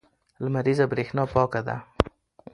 لمریزه برېښنا پاکه ده.